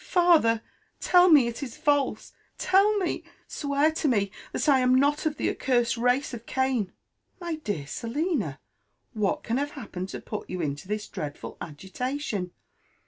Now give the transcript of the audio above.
father 1 tell me it is false 1 — ^teU me, swear to me, that I am not of the accursed race of Cain !'*'< My dear Selina, what can have happened to put you into this dreadful agitation?